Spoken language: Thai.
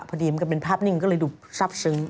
พอดีมันก็เป็นภาพนิ่งก็เลยดูซับซึ้ง